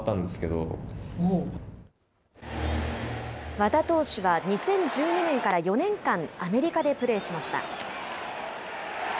和田投手は２０１２年から４年間、アメリカでプレーしました。